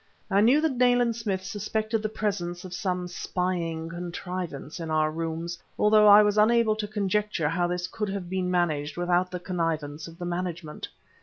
I knew that Nayland Smith suspected the presence of some spying contrivance in our rooms, although I was unable to conjecture how this could have been managed without the connivance of the management.